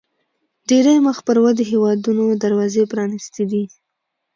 ډېری مخ پر ودې هیوادونو دروازې پرانیستې دي.